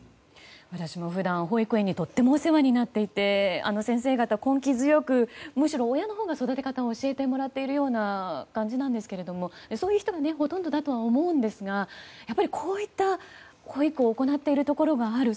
私も普段、保育園にとってもお世話になっていて先生方、根気強くむしろ親のほうが育て方を教えてもらっているような感じなんですけれどもそういう人がほとんどだとは思うんですがやっぱりこういった行為を行っているところがある。